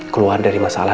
keluar dari masalah